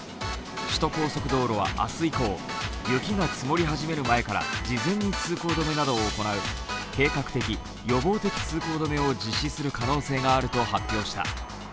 首都高速道路は明日以降、雪が積もり始める前から事前に通行止めなどを行い、計画的・予防的通行止めを実施する可能性があると発表した。